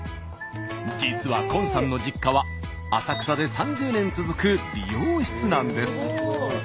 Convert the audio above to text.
実は今さんの実家は浅草で３０年続く理容室なんです。